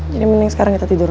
jadi mending sekarang kita tidur